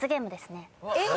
えっ